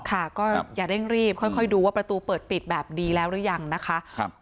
ค่ะก็อย่าเร่งรีบค่อยดูว่าประตูเปิดปิดแบบดีแล้วหรือยังนะคะ